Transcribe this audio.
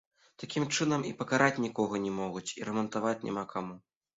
Такім чынам, і пакараць нікога не могуць, і рамантаваць няма каму.